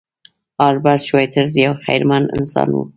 البرټ شوایتزر یو خیرمن انسان و.